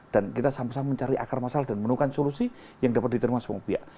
dan kita sama sama mencari akar masalah dan menemukan solusi yang dapat diterima semua pihak